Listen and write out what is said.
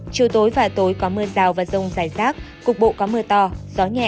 chiều tối và tối có mưa rào và rông rải rác cục bộ có mưa to gió nhẹ